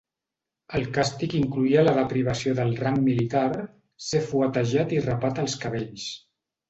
El càstig incloïa la deprivació del rang militar, ser fuetejat i rapat els cabells.